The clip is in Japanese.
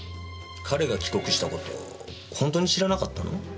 彼が帰国した事本当に知らなかったの？